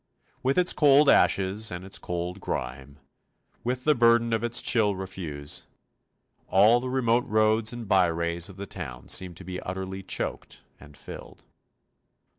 With its cold ashes and its cold grime, with the burden of its chill refuse, all the remote roads and byways of the town seem to be utterly choked and filled.